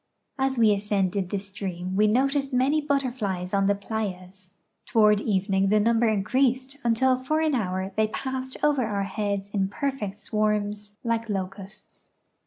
As we ascended the stream we noticed many butterflies on the playas. Toward evening the numl^er increased until for an hour they passed over our heads in perfect swarms like locusts.